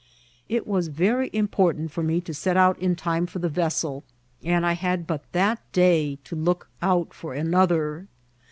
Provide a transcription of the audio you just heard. It was very important for me to set out in time for the vessel, and I had but that day to look out for another.